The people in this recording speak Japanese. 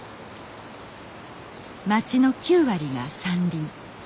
町の９割が山林。